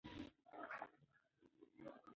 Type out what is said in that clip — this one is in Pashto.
آیا روغتیا د ټولنیز ژوند برخه ده؟